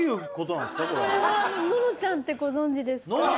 これはののちゃんってご存じですか？